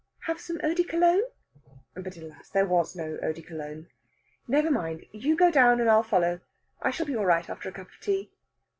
"Have some eau de Cologne?" But, alas! there was no eau de Cologne. "Never mind. You go down, and I'll follow. I shall be all right after a cup of tea."